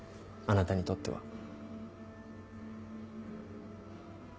あなたにとっては。